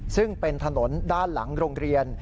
ซึ่งเป็นถนนด้านหลังโรงเรียน